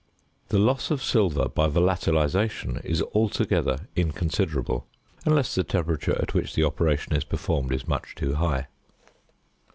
The loss of silver by volatilisation is altogether inconsiderable, unless the temperature at which the operation is performed is much too high.